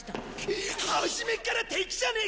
初めっから敵じゃねえか！